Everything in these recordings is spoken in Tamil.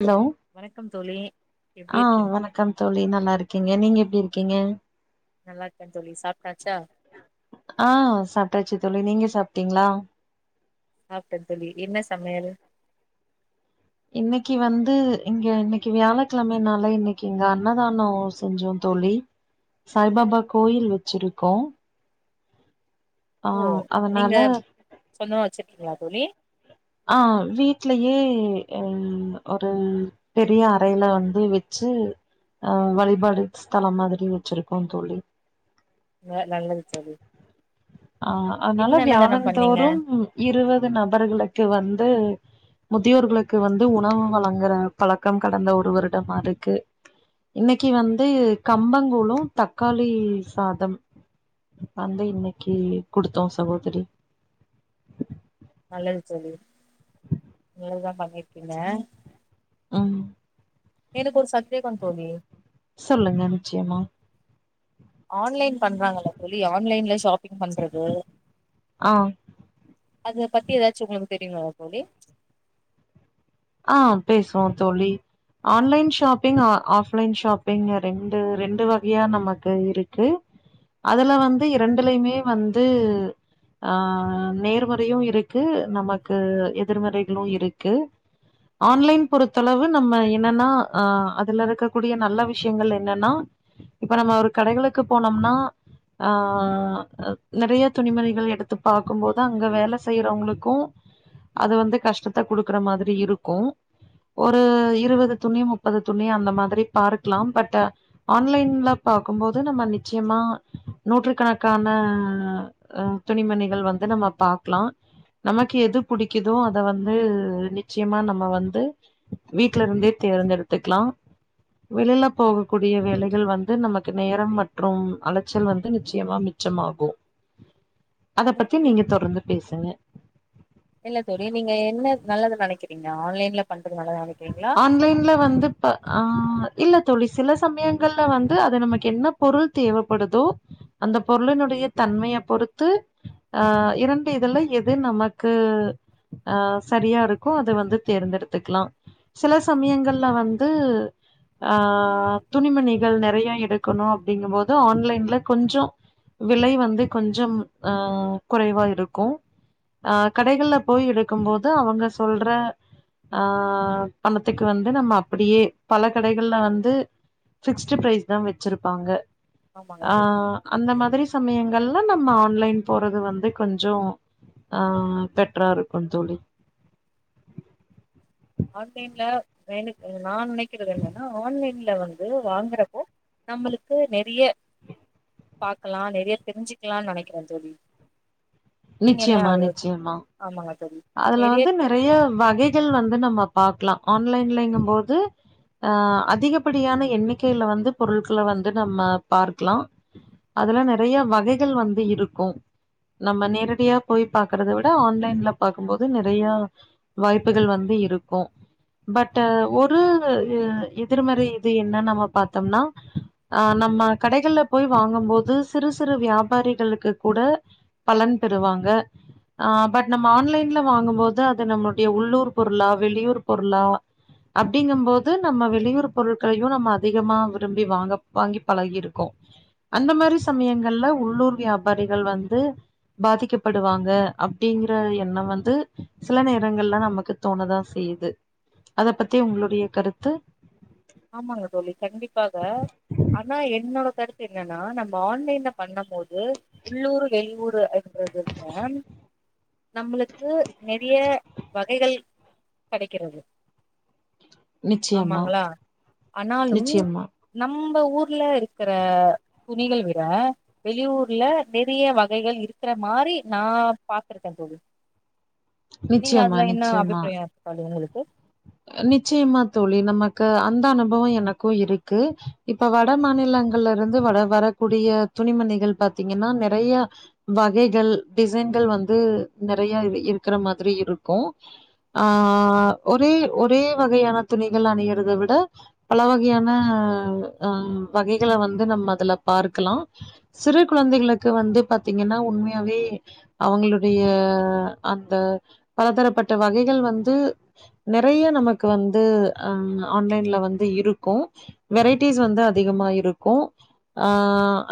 ஹலோ வணக்கம் தோழி எப்டி ஆஹ இருக்கீங்க வணக்கம் தோழி நல்லா இருக் க்கேங்க நீங்க எப்டி இருக்கீங்க நல்லா இருக்கே தோழி சாப்ட்டாச்சா ஆ சாப்டாச்சு தோழி நீங்க ஸ் சாப்டீங்களா சாப்டேன் தோழி என்ன சமையல் இன்னைக்கி வந்து இங்க இன்னைக்கி வியாழக்கிழமையினால இன்னைக்கி இங்க அன்னதானோ செஞ்சோ தோழி சாய்பாபா கோயில் வச்சிருக்கோ ஆ ஓ நீங்க அதனால [unintelligible] தோழி ஆ வீட்லயே ம் ஒரு பெரிய அறையில வந்து வச்சு ஆ வழிபாடு ஸ்தலம் மாதிரி வச்சிருக்கோ தோழி வ நல்லது தோழி அ அதனால என்ன அன்னதானம் பண்ணீங்க வியாழன்தோறும் இருபது நபர்களுக்கு வந்து முதியோர்களுக்கு வந்து உணவு வழங்குற பழக்கம் கடந்த ஒரு வருடமா இருக்கு இன்னைக்கு வந்து கம்பங்கூழும் தக்காளி சாதம் வந்து இன்னை க்கி குடுத்தோம் சகோதரி நல்லது தோழி நல்லதுதா பண்ணிருக்கீங்க ஆம் எனக்கு ஒரு சந்தேகோ தோழி சொல்லுங்க நிச்சயமா ஆன்லைன் பண்றாங்கள தோழி ஆன்லைன்ல ஷாப்பிங் பண்றது ஆ அத பத்தி ஏதாச்சு உங்களுக்கு தெரியுமா தோழி ஆ பேசுவோம் தோழி ஆன்லைன் ஷாப்பிங் ஆஃப்லைன் ஷாப்பிங் ரெண்டு ரெண்டு வகையா நமக்கு இருக்கு அதுல வந்து ரெண்டுலையுமே வந்து அஹ நேர்முறையும் இருக்கு நமக்கு எதிர்மறைகளும் இருக்கு ஆன்லைன் பொறுத்தளவு நம்ம என்னன்னா ஆ அதுல இருக்கக்கூடிய நல்ல விஷயங்கள் என்னன்னா இப்ப நம்ம ஒரு கடைகளுக்கு போனோம்னா ஆ அ நெறைய துணிமணிகள் எடுத்து பாக்கும் போது அங்க வேல செய்யறவங்களுக்கு அது வந்து கஷ்டத்த குடுக்குற மாதிரி இருக்கும் ஒரு இருபது துணி முப்பது துணி அந்த மாதிரி பார்க்கலாம் பட் ஆன்லைன்ல பாக்கும்போது நம்ம நிச்சயமா நூற்று கணக்கான துணிமணிகள் வந்து நம்ம பாக்லாம் நமக்கு எது புடிக்குதோ அத வந்து நி ச்சயமா நம்ம வந்து வீட்டுல இருந்தே தேர்ந்தெடுத்துக்கலாம் வெளில போகக்கூடிய வேலைகள் வந்து நமக்கு நேரம் மற்றும் அலைச்சல் வந்து நிச்சயமா மிச்சமாகும் இல்ல தோழி நீங்க என்ன நல்லது நெனைக்கி நீங்க ஆன்லைன்ல பண்றதுனாலதா [unintelligible] ஆன்லைன்ல வந்து ப்ப ஆ இல்ல தேழி சில சமயங்கள்ல வந்து அத நமக்கு என்ன பொருள் தேவைப்படுதோ அந்த பொருளினுடைய தன்மைய பொறுத்து ஹ இரண்டு இதுல எது நமக்கு அஹ சரியா இருக்கோ அத வந்து தேர்ந்தெடுத்துக்கலாம் சில சமயங்கள்ல வந்து ஆ துணிமணிகள் நெறைய எடுக்கணு அப்டிங்கும்போது ஆன்லைன்ல கொஞ்சம் விலை வந்து கொஞ்சம் ஆ குறைவா இருக்கு ஆ கடைகள்ல போய் எடுக்கும்போது அவங்க சொல்ற ஆ பணத்துக்கு வந்து நம்ம அப்படியே பல கடைகள்ல வந்து பிக்ஸ்டு பிரைஸ் தான் வச்சிருப்பாங்க ஆமாங்க ஆ தோழி அந்த மாதிரி சமயங் எல்லா நம்ம ஆன்லைன் போறது வந்து கொஞ்சொ அ பெட்ரா இருக்கு தோழி ஆன்லைன்ல வேண நான் நினைக்கறது என்னன்னா ஆன்லைன்ல வந்து வாங்குறப்போ நம்மளுக்கு நிறைய பாக்கலாம் நிறைய தெரிஞ்சுக்கலாம்னு நெனைக்கிறேன் தோழி நீங்க என்ன நிச்சயமா ஆள்க நிச்சயமா ஆமாங்க அதுல வந்து நெறைய வகைகள் வந்து நம்ம ம பாக்லா ஆன்லைன்லைங்கும் போது அ அதிகபடியான எண்ணிக்கைல வந்து பொருள்கள வந்து நம்ம பார்க்கலா அதுல நெறைய வகைகள் வந்து இருக்கும் நம்ம நேரடியா போய் பாக்குறத விட ஆன்லைன்ல பாக்கும்போபது நெறைய வாய்ப்புகள் வந்து இருக்கும் பட் ஒரு எதிர்மறை இது என்னனு நம்ம பாத்தோம்னா ஆஹ் நம்ம கடைகள்ல போய் வாங்கும் போது சிறு சிறு வியாபாரிகளுக்கு கூட பலன் பெறுவாங்க ஹ பட் ம்ம ஆன்லைன்ல வாங்கும்போது அது நம்முடைய உள்ளூர் பொருளா வெளியூர் பொருளா அப்டிங்கம்போது நம்ம வெளியூர் பொருட்களையு நம்ம அதிகமா விரும்பி வாங்க வாங்கி பழகிருக்கோ அந்த மாரி சமயங்கள்ல உள்ளூர் வியா வரிகள் வந்து பாதிக்கப்படுவாங்க அப்டிங் எண்ண வந்து சில நேரங்கள்ல நமக்கு தோணதான் செய்யுது அத பத்தி உங்களுடைய கருத்து ஆமாங்க தோழி கண்டிப்பாக ஆனா என்னோட கருத்து என்னன்னா நம்ம ஆன்லைன்ல பண்ணும் போது உள்ளூரு வெளியூரு எது தான் நம்மளுக்கு நெறிய வகைகள் கெடைக்கிறது நிச்சயமா ஆமாங்களா ஆனாலும் நிச்சயமா, நம் நம்ம ஊர்ல இருக்கிற துணிகள் விட வெளியூர்ல நிறைய வகைகள் இருக்கிற மாதரி நான் பாத்துருக்கேன் தோழி நீங்க நிச்சயமா, அதுல என்ன நிச்சயமா. அபிப்பிராய படுது உங்களுக் வ நிச்சயமா தோழி நமக்கு அந்த அனுபவ எனக்கு இருக்கு இப்ப வட மாநிலங்கள்ல இருந்து வட வரக்கூடிய துணிமணிகள் பாத்தீங்கன்னா நிறைய வகைகள் டிசைன்கள் வந்து நெறயா இருக்கிற மாதிரி இருக்கு ஆ ஒரே ஒரே வகையான துணிகள் அணிகிறத விட பல வகையான ஹ வகைகள வந்து நம்ம அதுல பார்க்கலாம் சிறு குழந்தைகளுக்கு வந்து பாத்தீங்கன்னா உண்மையாவே அவங்களுடைய அந்த பலதரப்பட்ட வகைகள் வந்து நே றைய நமக்கு வந்து அ ஆன்லைன்ல வந்து இருக்கு வெரைட்டிஸ் வந்த அதிகமா இருக்கு ஆ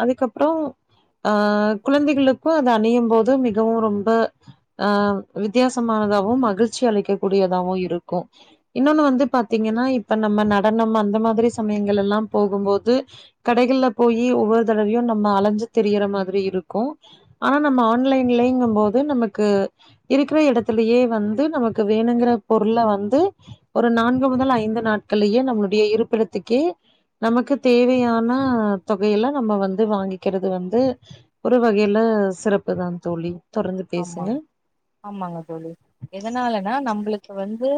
அதுக்கப்றோ அ குழந்தைகளுக்கு அது அணியும் போது மிகவு ரொம்ப அ வித்தியாசமானதாவு மகிழ்ச்சி அளிக்க கூடியதாவு இருக் கொ இன்னொன்னு வந்து பாத்தீங்கன்னா இப்ப நம்ம நடனம் அந்த மாதிரி சமயங்கள் எல்லா போகும்போது கடைகள்ல போயி ஒவ்வொரு தடவையு நம்ம அலஞ்சு திரியிற மாதிரி இருக்கு ஆனா நம்ம ஆன்லைன்லைங்கும் போது நமக்கு இருக்கிற எடத்துலயே வந்து நமக்கு வேணுங்குற பொருள வ வந்து ஒரு நான்கு முதல் ஐந்து நாட்களயே நம்மளுடைய இருப்பிடத்துக்கே நமக்கு தேவையான தொகையில நம்ம வந்து வாங்கிக்கிறது வந்து ஒரு வகையில சிறப்புதான் தோழி தொடர்ந்து ஆமா பேசுங்க ஆமாங்க தோழி எதனாலனா நம்பளுக் இப்ப வந்து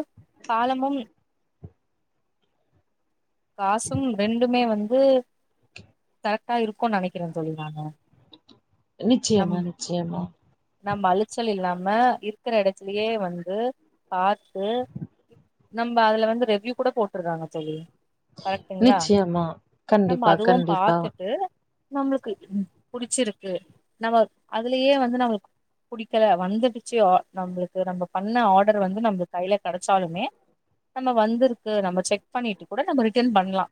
காலமும் காசும் ரெண்டுமே வந் அது கரெக்டா இருக்கும்னு நெனைக்கிறேன் தோழி நானு நம் நிச்சயமா நிச்சயமா ம்ம இருக்குற எடத்துலயே வந்து பாத்து நம்ம அதுல வந்து ரெவ்யூ கூட போட்டுறாங்க தோழி கரெக்ட்டுங்களா நிச்சயமா கண்டிப்பா கண்டிப்பா நம்ளுக்கு புடுச்சிருக்கு நம்ம அதுலயே வந்து நம்மளுக்கு புடிக்கல வந்துடுச்சு நம்ளுக்கு நம்ப பண்ண ஆர்டர் வந்து நம்ம கைல கெடச்சாலுமே நம்ம வந்திருக்கு நம்ம செக் பண்ணிட்டு கூட நம்ம ரி டென் பண்ணலா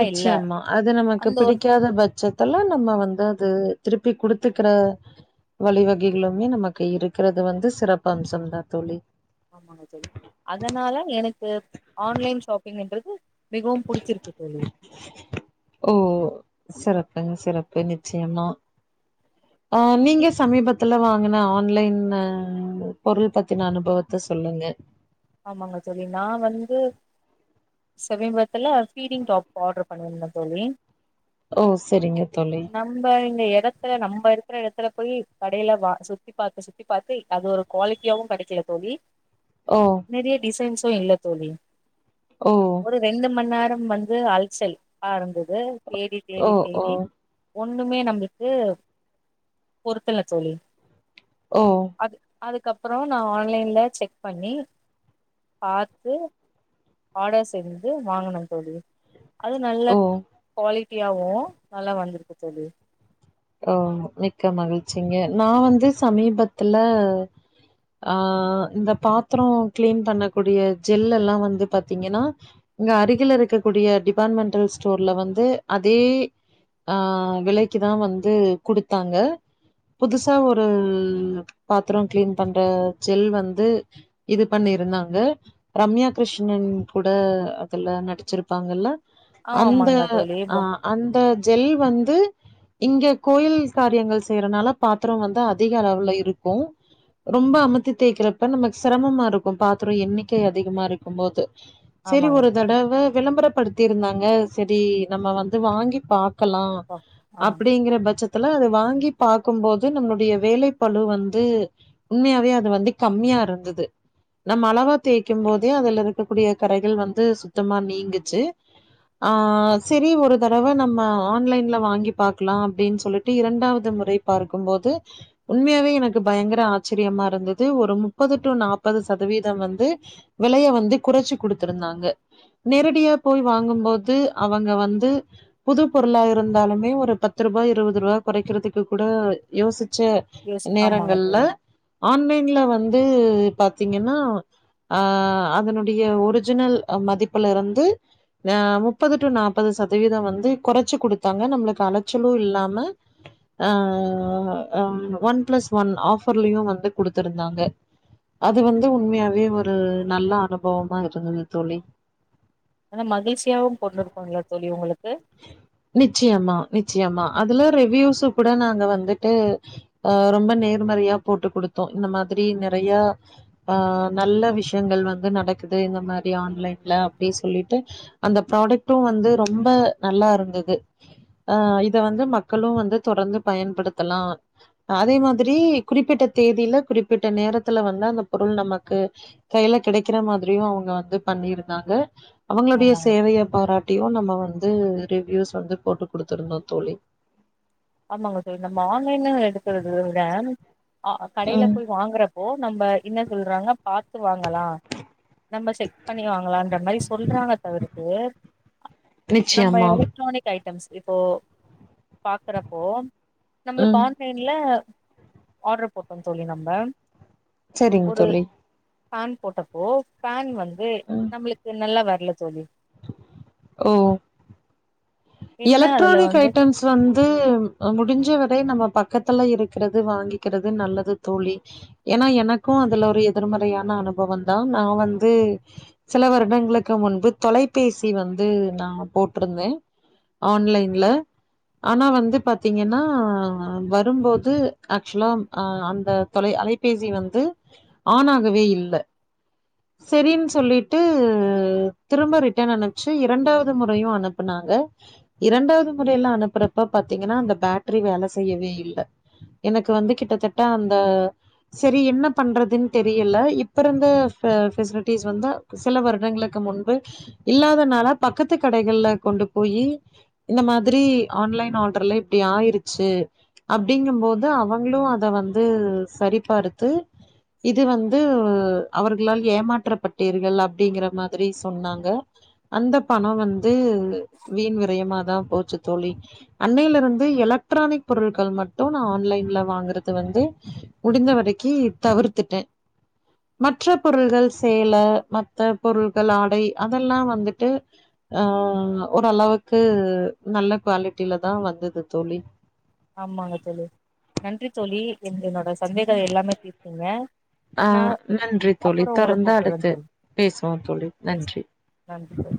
நிச்சயமா அது நமக்கு ஒரு பிடிக்காத பட்சத்துல நம்ம வந்து அது திருப் இப்படி குடுத்துக்கிற வழிவகைகளுமே நமக்கு இருக்கிறது வந்து சிறப்பு அம்சம்தான் தோழி ஆமாங்க சரி அதனால எனக்கு ஆன்லைன் ஷாப்பிங்ன்றது மிகவும் புடிச்சிருக்கு தோழி ஓ சிறப்புங்க சிறப்பு நிச்சயமா ஆ நீ நீங்க சமீபத்துல வாங் [inaudible] ஆன்லைன் பொருள் பத்தின அனுபவத்த சொல்லுங்க ஆமாங்க தோழி நா வந்து சமிபத்துல பீடிங் டாப் ஆட்ரு பன்னிருந்தே தோழி ஓ செரிங்க தோழி இந்த இடத்துல நம்ம இருக்கிற இடத்துல போய் கடயில வா சுத்தி பாத்து சுத்தி பாத்து அது ஒரு குவாலிட்டியாவ கெ. டைக்கல தோழி ஓ நெறைய டிசைன்சோ இல்ல தோழி ஓ ஒரு ரெண்டு மணி நேர ம் வந்து அல்சல் அ இருந்தது தேடி ஓ தேடி ஓ தேடி ஒண்ணுமே நம்புளுக்கு பொருத்தல தோலி ஓ அதுக்கப்புறம் நா ஆன்லைன்ல செக் பண்ணி பாத்து ஆடர் செஞ்சி வாங்கன தோலி அது நல்ல ஓ குவாலி [inaudible] நல்லா வந்திருக்கு தோலி ஓ மிக்க மகிழ்ச்சிங்க நா வந்து சமீபத்துல அ இந்த பாத்றோம் கிளீன் பண்ணக்கூடிய ஜெல்லல்லா வந்து பாத்தீங்கன்னா இங்க அருகில இருக்கக்கூடிய டிபார்ட்மெண்டல் ஸ்டோர்ல வந்து அதே அ விலைக்குதா வந்து து குடுத்தாங்க புதுசா ஒரு பாத்றோம் கிளீன் பண்ற ஜெல் வந்து இது பண்ணிருந்தாங்க ரம்யா கிருஷ்ணன் கூட அதுல நடிச்சிருப்பாங்கல்ல ஆமா அந்த ஆமாங்க தோழி அ ப அந்த ஜெல் வந்து இங்க கோயில் காரியங்கள் செய்யிறனால பாத்றோ வந்து அதிக அளவில இருக்கோம் ரொம்ப அமித்தி தேய்க்கிறப்ப நமக்கு சிரமமா இருக்கோ பாத்றோ எண்ணிக்கை அதிகமா இருக்கும் போது செரி ஆமாங்க ஒரு தோழி தடவ விளம்பரப்படுத் இருந்தாங்க செரி நம்ம வந்து வாங்கி பா க்கலா ப ஆ அப்டிங்கற பட்சத் துல வாங்கி பாக்கும்போது நம்மளுடைய வேலை பலு வந்து உண்மையாவே அது வந்து கம்மியா இருந்தது நம்ம அளவா தேய்க்கும் போதே அதுல இருக்கக்கூடிய கரைகள் வந்து சுத்தமா நீங்குச்சு ஆ செரி ஒரு தடவ நம்ம ஆன்லைன்ல வாங்கிப் பாக்லாம் அப்டின் சொல்லிட்டு இரண்டாவது முறை பார்க்கும்போது உண்மயாவே எனக்கு பயங்கர ஆச்சரியமா இருந்தது ஒரு முப்பது டு நாற்பது சதவீதம் வந்து விலைய வந்து குறைச்சு குடுத்துருந்தாங்க நேரடியா போய் வாங்கும்போது அவங்க வந்து புது பொருளா இருந்தாலுமே ஒரு பத்து ரூபாய் இருவது ரூபாய் குறைக்கிறதுக்கு கூட யோசி சேர் யோசி ஆமாங்க நேரங்கள்ல தோழி ஆன்லைன்ல வந் து பாத்தீங்கன்னா அ அதனுடைய ஒரிஜினல் மதிப்புலருந்து முப்பது டு நாப்பது சதவீத வந்து கோறச்சு கொடுத்தாங்க நம்மளுக்கு அ அலைச்சல்லோம் இல்லாம அ ஒன் பிளஸ் ஒன் ஆஃபர்லயு வந்து குடுத்திருந்தாங்க அது வந்து உண்மயாவே ஒரு நல்ல அனுபவமா இருந்தது தோழி ஆனா மகிழ்ச்சியாவு கொண்டிருக்கும்ல தோழி உங்களுக்கு நிச்சயமா நி நிச்சயமா அதுல ரிவ்யூசுகூட நாங்க வந்துட்டு அ ரொம்ப நேர்மறையா போட்டு கொடுத்தோ இந்த மாரி நெறைய ஆ நல்ல விஷயங்கள் வந்து நடக்குது இந்த மாரி ஆன்லைன்ல அப்டி சொல்லிட்டு அந்த ப்ராடக்ட்டோ வந்து ரொம்ப நல்லா இருந்தது ஆ இத வந்து மக்கலோம் வந்து தொடர்ந்து பயன்படுத்தலா அதே மாரி குறிப்பிட்ட தேதியில குறிப்பிட்ட நேரத்துல வந்து அந்த பொருள் நமக்கு கையில கெடைக்கேறா மாரியும் அவங்க வந்து பண்ணிருந்தாங்க அவங்களுடைய ஆமாங்க சேவைய தோழி பாராட்டியும் நம்ம வந்து இது ரிவூஸ் வந்து போட்டு கொடுத்துருந்தோம் தோழி ஆமாங்க சார் நம்ம ஆன்லைன் எடுத்ததுற ஆ ஆ வாங்கிகடையில ம் போய் வாங்குறப்போ நம்ம இன்ன சொல்றாங்க பாத்து வாாங்களா நம்ம செக்ப் பண்ணி வாாங்களா மாரி சொல்றாங்க தவிரக்கு நம்ம நிச்சயமா எலக்ட்ரானிக் ஐ இப்போ பாக்குற ஓம் நம்மளுக்கு ம் ஆன்லைன்ல ஆர்டர் போட்டோம் சொல்லி நம்ப செரிங்க தோழி ஃபேன் போட்டப்போ ஃபேன் வந்து தே ம் நம்மளுக்கு நல்ல வார் நல்ல தோழி ஓ ஓ என்ன அதுல எலக்ட்ரானிக் வந்து ஐட்டம்ஸ் வந்து முடிஞ்ச இபபவே நம்ம பக்கத்துல இருக்கிறது வாங்கிக்கிறது நல்லது தோழி ஏன்னா எனக்கும் அதுல ஒரு எதிர்மறையான அனுபவம் தான் நான் வந்து சில வருடங்களுக்கு முன்பு தொலைபேசி வந்து நான் போட்டிருந்தேன் ஆன்லைன்ல ஆனா வந்து பாத்தீங்கன்னா வரும்போது ஆக்சுவலா அந்த தொலை அலைபேசி வந்து ஆன் ஆகவே இல்ல சரினு சொல்லிட்டு திரும்ப ரிட்டன் அனுப்பிச்சு இரண்டாவது முறையும் அனுப்புனாங்க இரண்டாவது முறையில அனுப்புறப்ப பாத்தீங்கன்னா அந்த பேட்டரி வேலைசெய்யவே இல்ல எனக்கு வந்து கிட்டத்தட்ட அந்த செரி என்ன பண்றதுன்னு தெரியல இப்ப இருந்த ஃபெசில் பெசிலிட்டிஸ் வந்து சில வருடங்களுக்கு முன்பு இல்லாதனால பக்கத்து கடகள்ல கொண்டு போயி இந்த மாதிரி ஆன்லைன் ஆர்டர்ல இப்படி ஆயிருச்சு அப்படிங்கும்போது அவங்களு அத வந்து சரிபார்த்து இது வந்து அவர்களால் ஏமாற்றப்பட்டீர்கள் அப்டிங்கிற மாரி சொன்னாங்க அந்த பணம் வந்து வீண் விரயமாதான் போச்சு தோழி அன்னையில இருந்து எலக்ட்ரானிக் பொருட்கள் மட்டும் நான் ஆன்லைன்ல வாங்கறது வந்து முடிந்தவரைக்கு தவிர்த்துட்டேன் மற்ற பொருள்கள் சேல மற்ற பொருள்கள் ஆடை அதெல்லாம் வந்துட்டு அஹ் ஓரளவுக்கு நல்ல குவாலிட்டில தான் வந்தது தோழி ஆமாங்க தோழி நன்றி தோழி என் என்னோட சந்தேகத்தை எல்லாமே தீர்த்திங்க ஆஹ் நன்றி தோழி தொடர்ந்து கூப்பிடுறே அடுத்து தோழி பேசுவோம் தொழில் பேச நன்றி நன்றி தோழி